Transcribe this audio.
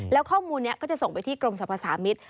แล้วข้อมูลนี้ก็จะส่งไปที่กรมสรรพสามิตร